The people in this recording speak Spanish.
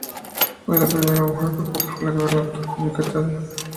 Fue la primera mujer que ocupó la gubernatura de Yucatán, como interina.